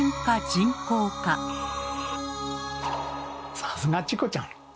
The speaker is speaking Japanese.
さすがチコちゃん。